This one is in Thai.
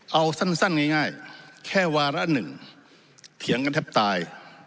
เอาสั้นง่ายแค่วาระหนึ่งเถียงกันแทบตาย